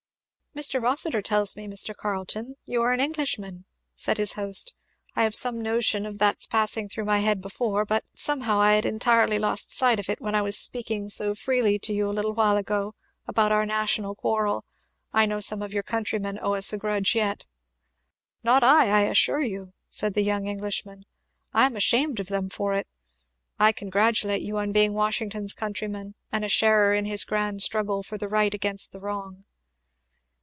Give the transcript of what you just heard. "Mr. Rossitur tells me, Mr. Carleton, you are an Englishman," said his host. "I have some notion of that's passing through my head before, but somehow I had entirely lost sight of it when I was speaking so freely to you a little while ago about our national quarrel I know some of your countrymen owe us a grudge yet." "Not I, I assure you," said the young Englishman. "I am ashamed of them for it. I congratulate you on being Washington's countryman and a sharer in his grand struggle for the right against the wrong."